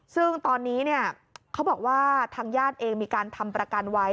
ซึ่งตอนนี้เขาบอกว่าทางญาติเองมีการทำประกันไว้